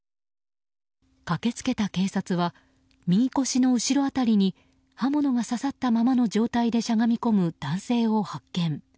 駆け付けた警察は右腰の後ろ辺りに刃物が刺さったままの状態でしゃがみ込む男性を発見。